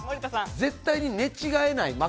絶対に寝違えない枕。